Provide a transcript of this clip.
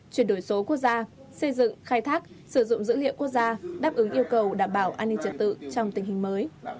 chuyển đổi số quốc gia xây dựng khai thác sử dụng dữ liệu quốc gia đáp ứng yêu cầu đảm bảo an ninh trật tự trong tình hình mới